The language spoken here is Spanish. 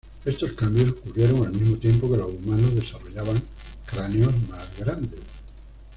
Estos cambios ocurrieron al mismo tiempo que los humanos desarrollaban cráneos más grandes.